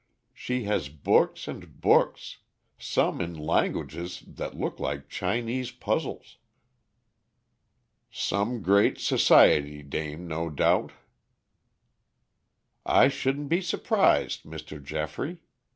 She had books and books, some in languages that look like Chinese puzzles." "Some great society dame, no doubt." "I shouldn't be surprised, Mr. Geoffrey.